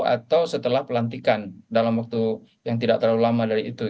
atau setelah pelantikan dalam waktu yang tidak terlalu lama dari itu